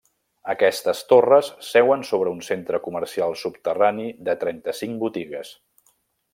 Aquestes torres seuen sobre un centre comercial subterrani de trenta-cinc botigues.